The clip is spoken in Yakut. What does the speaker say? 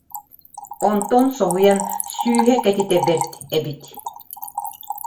Онтон соһуйан: «Сүүһэ кэтитэ бэрт эбит»